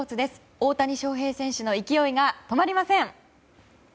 大谷翔平選手の勢いが止まりません。